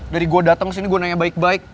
dari gue datang ke sini gue nanya baik baik